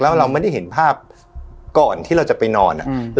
แล้วเราไม่ได้เห็นภาพก่อนที่เราจะไปนอน